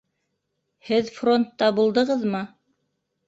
Һеҙ фронтта булдығыҙмы?